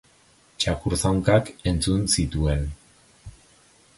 Txakur zaunkak entzun zituen.